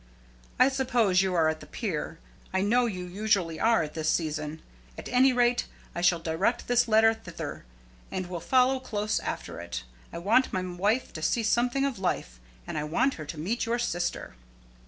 I suppose you are at the Pier. I know you usually are at this season. At any rate, I shall direct this letter thither, and will follow close after it. I want my wife to see something of life. And I want her to meet your sister."